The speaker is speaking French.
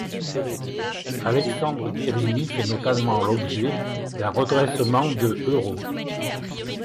Alexandre Guérini fait notamment l'objet d’un redressement de euros.